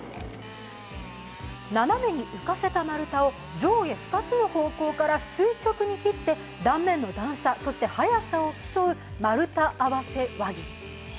斜めに浮かせた丸太を上下２つの方向から垂直に切って、断面の段差そして早さを競う丸太合わせ輪切り。